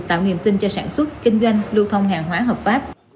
tạo niềm tin cho sản xuất kinh doanh lưu thông hàng hóa hợp pháp